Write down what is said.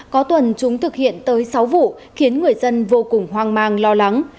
có tuần chúng thực hiện tới sáu vụ khiến người dân vô cùng hoang mang lo lắng